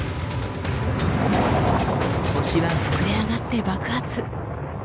星は膨れ上がって爆発。